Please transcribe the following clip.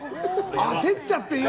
焦っちゃって。